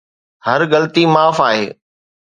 هر غلطي معاف آهي